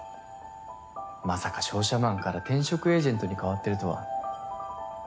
まさか商社マンから転職エージェントに変わってるとは。